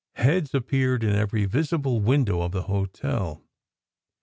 Heads appeared in every visible window of the hotel.